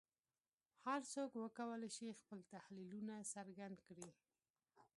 هر څوک وکولای شي خپل تحلیلونه څرګند کړي